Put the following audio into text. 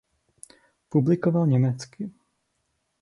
Publikoval německy.